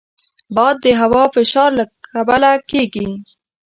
باد د هوا فشار له کبله کېږي